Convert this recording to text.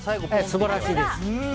素晴らしいです。